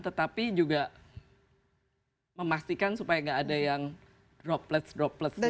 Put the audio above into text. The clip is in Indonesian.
tetapi juga memastikan supaya gak ada yang droplets dropletsnya itu